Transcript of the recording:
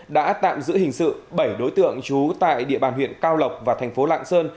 đã tạm giữ hình sự bảy đối tượng trú tại địa bàn huyện cao lộc và thành phố lạng sơn